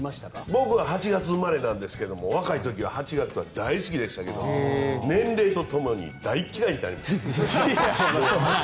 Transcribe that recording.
僕は８月生まれなんですが若い時は８月は大好きでしたけど年齢とともに大嫌いになりました。